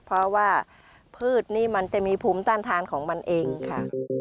เพราะว่าพืชนี่มันจะมีภูมิต้านทานของมันเองค่ะ